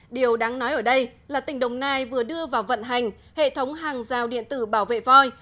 điều đáng nói ở đây là tỉnh đồng nai vừa đưa vào vận hành hệ thống hàng rào điện tử bảo vệ voi